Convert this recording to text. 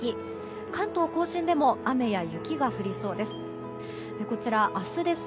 関東・甲信でも雨や雪が降りそうです。